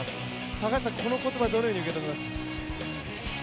高橋さん、この言葉どのように受け止めます？